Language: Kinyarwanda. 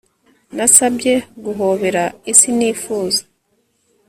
nasabye, guhobera isi nifuza